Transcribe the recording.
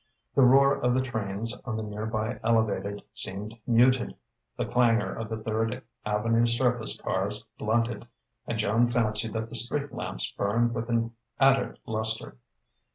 The roar of the trains on the nearby Elevated seemed muted, the clangour of the Third Avenue surface cars blunted, and Joan fancied that the street lamps burned with an added lustre.